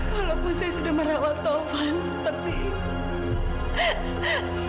walaupun saya sudah merawat taufan seperti ini